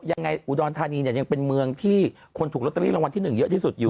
ยังไงอุดรธานีเนี่ยยังเป็นเมืองที่คนถูกลอตเตอรี่รางวัลที่๑เยอะที่สุดอยู่